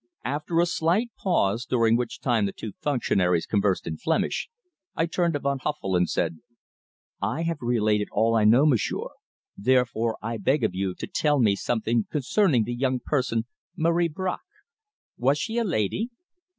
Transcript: After a slight pause, during which time the two functionaries conversed in Flemish, I turned to Van Huffel, and said: "I have related all I know, m'sieur; therefore, I beg of you to tell me something concerning the young person Marie Bracq. Was she a lady?"